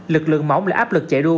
lực lượng mỏng là áp lực chạy đua